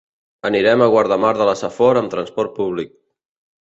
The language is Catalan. Anirem a Guardamar de la Safor amb transport públic.